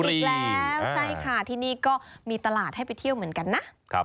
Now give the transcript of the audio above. อีกแล้วใช่ค่ะที่นี่ก็มีตลาดให้ไปเที่ยวเหมือนกันนะ